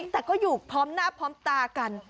แต่ก็อยู่พร้อมหน้าพร้อมตากัน